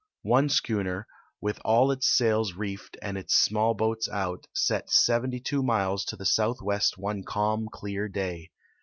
One schooner, with all its sails reefed and its small boats out, set 72 miles to the southwest one calm, clear day.